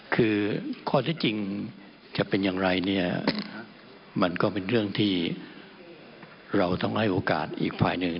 คือข้อที่จริงจะเป็นอย่างไรเนี่ยมันก็เป็นเรื่องที่เราต้องให้โอกาสอีกฝ่ายหนึ่ง